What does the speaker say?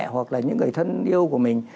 hoặc là những người thân yêu của mình